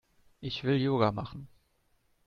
Ich will Yoga machen.